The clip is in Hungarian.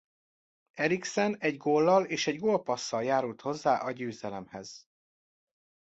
Eriksen egy góllal és egy gólpasszal járult hozzá a győzelemhez.